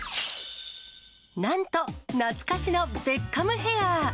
なんと、懐かしのベッカムヘア。